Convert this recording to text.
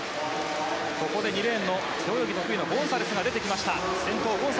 ここで２レーンの背泳ぎが得意なゴンサレスが出てきました。